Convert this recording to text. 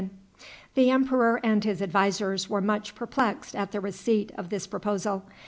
The emperor and his advisers were much perplexed at the receipt of this proposal.